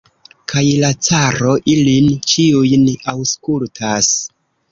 Kaj la caro ilin ĉiujn aŭskultas.